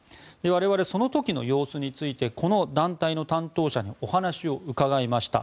我々、その時の様子についてこの団体の担当者にお話を伺いました。